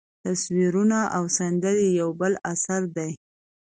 تصویرونه او سندرې یو بل اثر دی.